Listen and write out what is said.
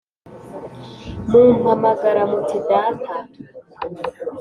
mumpamagara muti Data